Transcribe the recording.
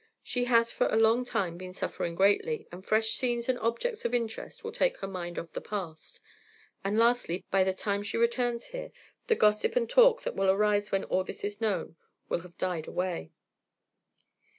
She has for a long time been suffering greatly, and fresh scenes and objects of interest will take her mind off the past, and lastly, by the time she returns here, the gossip and talk that will arise when all this is known, will have died away."